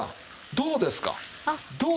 どうですか！？